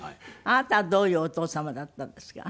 あなたはどういうお父様だったんですか？